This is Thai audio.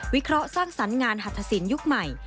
เคราะห์สร้างสรรค์งานหัตถสินยุคใหม่